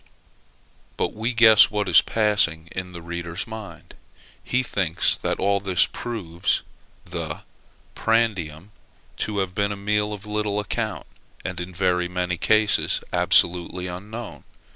But we guess what is passing in the reader's mind. He thinks that all this proves the prandium to have been a meal of little account; and in very many cases absolutely unknown.